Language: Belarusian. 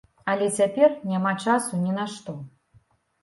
Але цяпер няма часу ні на што.